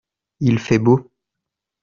Il fait beau.